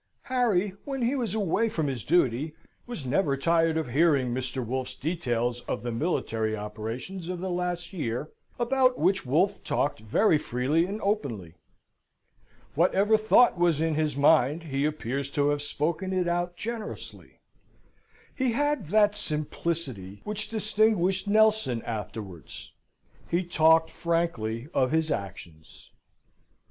Harry, when he was away from his duty, was never tired of hearing Mr. Wolfe's details of the military operations of the last year, about which Wolfe talked very freely and openly. Whatever thought was in his mind, he appears to have spoken it out generously. He had that heroic simplicity which distinguished Nelson afterwards: he talked frankly of his actions.